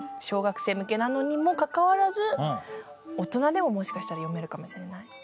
小学生向けなのにもかかわらず大人でももしかしたら読めるかもしれない。